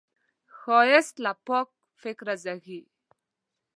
ښایست له پاک فکره زېږي